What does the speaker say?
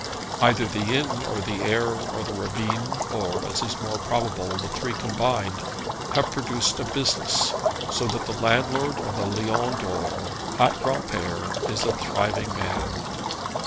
Either the linen, or the air, or the ravine, or, as is more probable, the three combined, have produced a business, so that the landlord of the Lion d'Or at Granpere is a thriving man.